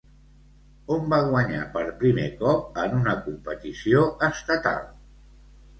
On va guanyar per primer cop en una competició estatal?